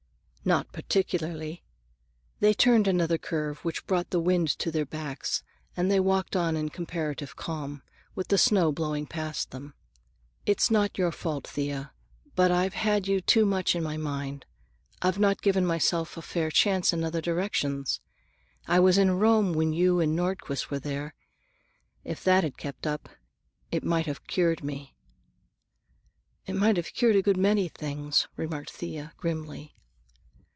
"Not particularly." They turned another curve, which brought the wind to their backs, and they walked on in comparative calm, with the snow blowing past them. "It's not your fault, Thea, but I've had you too much in my mind. I've not given myself a fair chance in other directions. I was in Rome when you and Nordquist were there. If that had kept up, it might have cured me." "It might have cured a good many things," remarked Thea grimly.